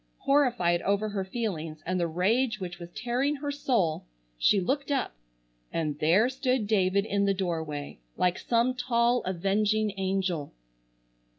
Horrified over her feelings, and the rage which was tearing her soul, she looked up, and there stood David in the doorway, like some tall avenging angel!